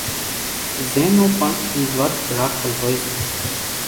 زين نون پڻ اِي ورت راکل ھوئي سي